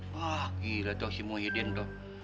wah gila tuh semua yedin tuh